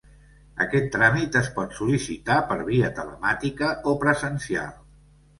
Aquest tràmit es pot sol·licitar per via telemàtica o presencial.